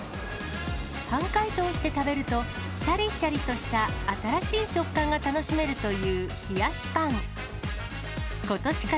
半解凍して食べると、しゃりしゃりとした新しい食感が楽しめるという冷やしパン。